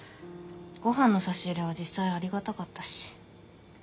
ごはんの差し入れは実際ありがたかったし。